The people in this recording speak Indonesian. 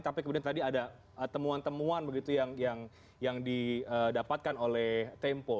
tapi kemudian tadi ada temuan temuan begitu yang didapatkan oleh tempo